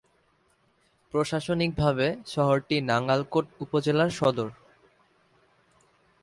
প্রশাসনিকভাবে শহরটি নাঙ্গলকোট উপজেলার সদর।